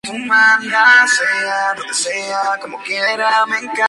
El intercomunicador le dice que vaya a la rueda de la fortuna.